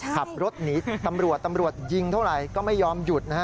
ขับรถหนีตำรวจตำรวจยิงเท่าไหร่ก็ไม่ยอมหยุดนะฮะ